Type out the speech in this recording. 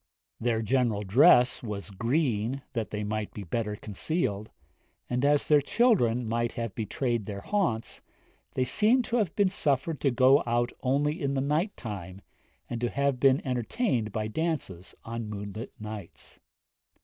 Their general dress was green, that they might be the better concealed; and, as their children might have betrayed their haunts, they seem to have been suffered to go out only in the night time, and to have been entertained by dances on moonlight nights.